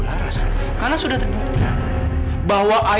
dari zaman aku akan pergi dari